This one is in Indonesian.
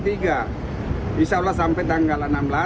insya allah sampai tanggal enam belas